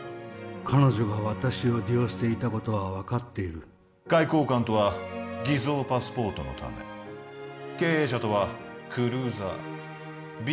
彼女が私を利用していたことは分かっている外交官とは偽造パスポートのため経営者とはクルーザー美容外科医とは整形手術